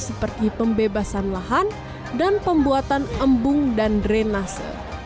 seperti pembebasan lahan dan pembuatan embung dan drenase